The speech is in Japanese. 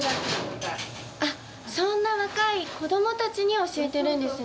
そんな若い子どもたちに教えてるんですね。